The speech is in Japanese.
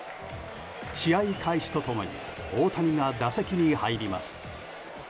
試合開始と共に大谷が打席に入ります。